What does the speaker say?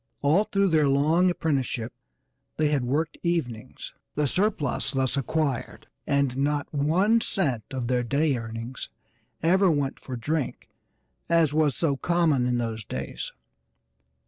All through their long apprenticeship they had worked evenings; the surplus thus acquired and not one cent of their day earnings ever went for drink, as was so common in those days.